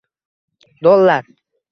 dollar